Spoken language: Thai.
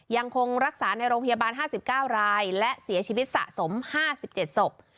ยังคงรักษาในโรงพยาบาล๕๙รายและเสียชีวิตสะสม๕๗ศพ